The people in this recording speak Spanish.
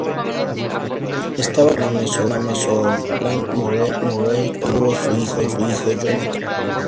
Estaba casado con la mezzosoprano Ann Murray con quien tuvo su hijo Jonathan.